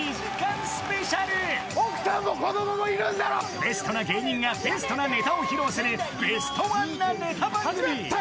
ベストな芸人がベストなネタを披露するベストワンなネタ番組。